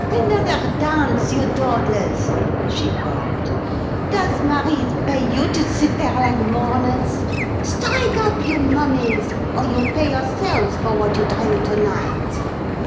"Another dance, you dawdlers!" she cried. "Does Marise pay you to sit there like mourners? Strike up, you mummies, or you pay yourselves for what you drink to night.